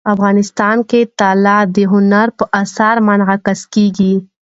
افغانستان کې طلا د هنر په اثار کې منعکس کېږي.